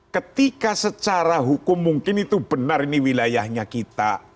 ketika secara hukum mungkin itu benar ini wilayahnya kita